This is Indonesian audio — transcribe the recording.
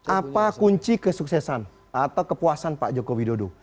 apa kunci kesuksesan atau kepuasan pak jokowi dodo